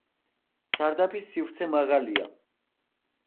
სარდაფის სივრცე მაღალია.